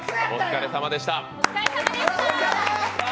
お疲れさまでした。